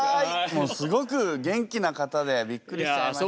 もうすごく元気な方でびっくりしちゃいました。